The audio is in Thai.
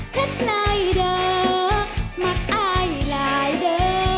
เท็ดไหล่เด้อมักอ้ายลายเด้อ